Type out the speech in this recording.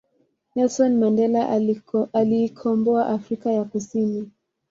Nelson Mandela aliikomboa afrika ya kusini